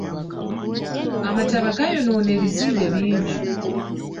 Amataba gaayonoona ebizimbe bingi.